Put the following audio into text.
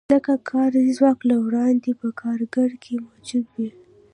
ځکه کاري ځواک له وړاندې په کارګر کې موجود وي